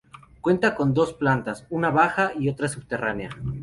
Cuenta con dos plantas, una baja y otra subterránea.